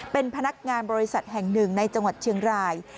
เป็นพนักงานบริษัทแห่งหนึ่งในจังหวัดเชียงราย